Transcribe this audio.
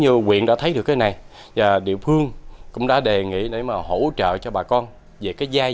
nhưng quyện đã thấy được cái này và địa phương cũng đã đề nghị để mà hỗ trợ cho bà con về cái giai